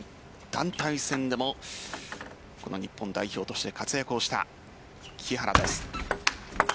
団体戦でもこの日本代表として活躍をした木原です。